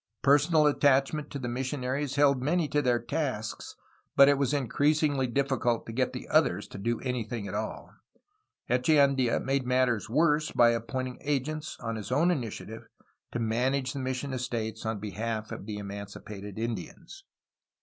Personal attachment to the missionaries held many to their tasks, but it was increasingly difficult to get the others to do anything at all. Echeandia made matters worse^ by appointing agents, on his own initiative, to manage the mission estates on behalf of the emancipated Indians.